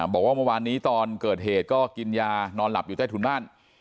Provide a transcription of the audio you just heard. บอกว่าเมื่อวานนี้ตอนเกิดเหตุก็กินยานอนหลับอยู่ใต้ถุนบ้าน